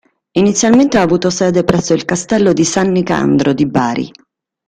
Inizialmente ha avuto sede presso il castello di Sannicandro di Bari.